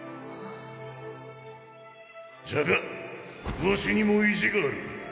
じゃがワシにも意地がある。